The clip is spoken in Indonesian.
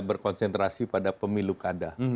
berkonsentrasi pada pemilu kada